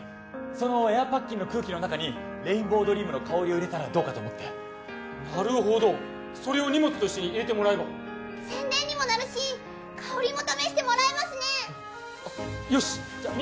そのエアパッキンの空気の中にレインボードリームの香りを入れたらどうかと思ってなるほどそれを荷物と一緒に入れてもらえば宣伝にもなるし香りも試してもらえますねよしじゃあ